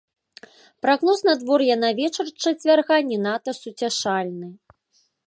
Прагноз надвор'я на вечар чацвярга не надта суцяшальны.